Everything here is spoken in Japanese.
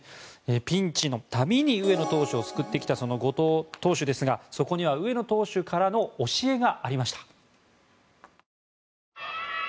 ピンチの度に上野投手を救ってきたその後藤投手ですがそこには上野投手からの教えがありました。